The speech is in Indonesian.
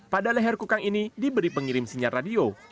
pada leher kukang ini diberi pengirim sinyar radio